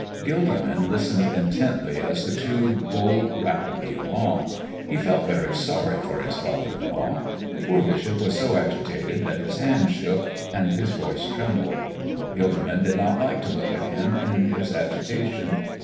Gilderman listened intently as the two bowled rapidly along. He felt very sorry for his father in law. The poor bishop was so agitated that his hands shook and his voice trembled. Gilderman did not like to look at him in his agitation.